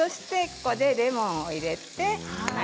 ここにレモンを入れます。